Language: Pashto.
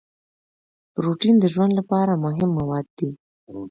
پروټین د ژوند لپاره مهم مواد دي